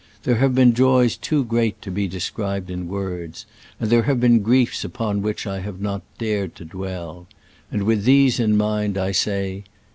There have been joys too great to be described in words, and there have been griefs upon which I have not dared to dwell ; and with these in mind I say.